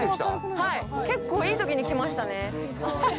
結構いいときに来ましたね。